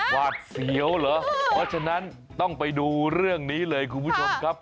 หวาดเสียวเหรอเพราะฉะนั้นต้องไปดูเรื่องนี้เลยคุณผู้ชมครับ